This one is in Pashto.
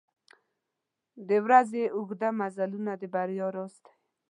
• د ورځې اوږده مزلونه د بریا راز دی.